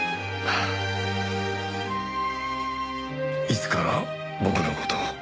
いつから僕の事を？